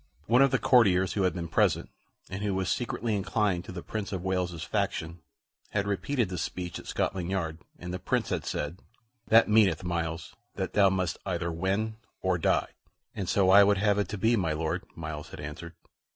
One of the courtiers who had been present, and who was secretly inclined to the Prince of Wales's faction, had repeated this speech at Scotland Yard, and the Prince had said, "That meaneth, Myles, that thou must either win or die." "And so I would have it to be, my Lord," Myles had answered.